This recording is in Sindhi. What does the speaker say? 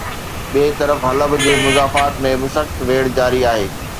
ٻئي طرف حلب جي مضافات ۾ به سخت ويڙهه جاري آهي